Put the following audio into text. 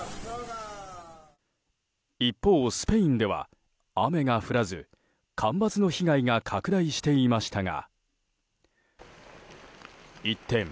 一方、スペインでは雨が降らず干ばつの被害が拡大していましたが。